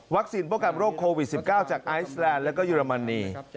วัคซีนโปรกรัมโรคโควิด๑๙จากไอศแลนด์แล้วก็เยอรมนี